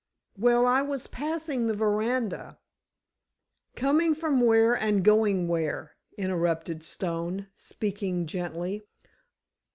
"Well, I was passing the veranda——" "Coming from where and going where?" interrupted Stone, speaking gently.